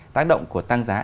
tác động của tăng giá